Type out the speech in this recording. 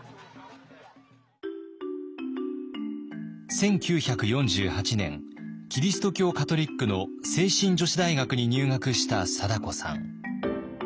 １９４８年キリスト教カトリックの聖心女子大学に入学した貞子さん。